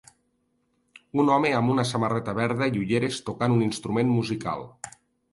Un home amb una samarreta verda i ulleres tocant un instrument musical.